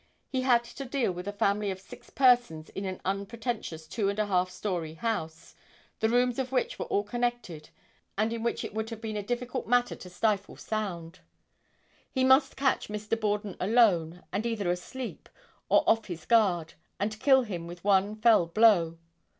He had to deal with a family of six persons in an unpretentious two and a half story house, the rooms of which were all connected and in which it would have been a difficult matter to stifle sound. He must catch Mr. Borden alone and either asleep, or off his guard, and kill him with one fell blow.